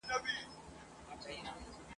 په دنیا کي مو وه هر څه اورېدلي !.